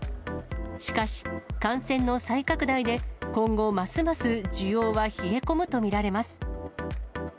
しかし、感染の再拡大で、今後ますます需要は冷え込むと見られます。